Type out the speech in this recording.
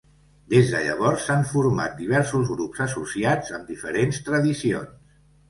Des de llavors, s'han format diversos grups associats amb diferents tradicions.